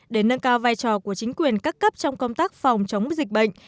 để nâng cao vai trò của chính quyền các cấp trong công tác phòng chống dịch bệnh